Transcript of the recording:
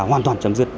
hoàn toàn chấm dứt